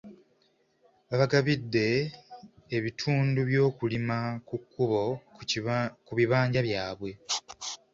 Babagabidde ebitundu by’okulima ku kkubo ku bibanja byaabwe.